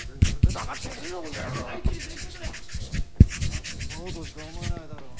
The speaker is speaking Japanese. だってそうとしか思えないだろう。